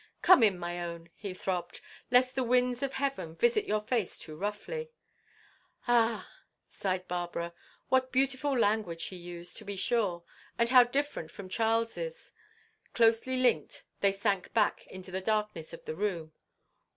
"Come in, my own," he throbbed, "lest the winds of heaven visit your face too roughly." "Ah!" sighed Barbara. What beautiful language he used, to be sure, and how different from Charles's. Closely linked they sank back into the darkness of the room.